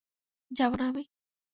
যাব না আমি?